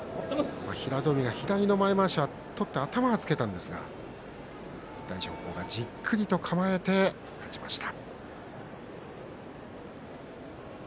平戸海が左の前まわしを取って頭をつけたんですが大翔鵬がじっくりと構えて勝ちました。